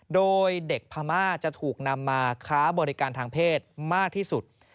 โดยเด็กพม่าจะถูกนำมาค้าบริการทางเพศมากที่สุด